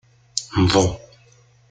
Nḍu.